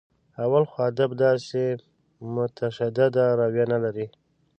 اول خو ادب داسې متشدده رویه نه لري.